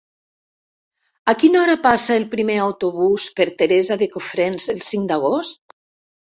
A quina hora passa el primer autobús per Teresa de Cofrents el cinc d'agost?